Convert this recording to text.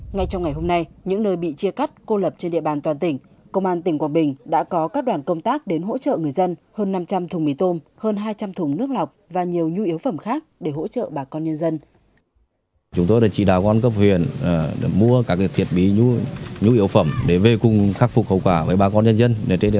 ngay trong ngày hôm nay những nơi bị chia cắt cô lập trên địa bàn toàn tỉnh công an tỉnh quảng bình đã có các đoàn công tác đến hỗ trợ người dân hơn năm trăm linh thùng mì tôm hơn hai trăm linh thùng nước lọc và nhiều nhu yếu phẩm khác để hỗ trợ bà con nhân dân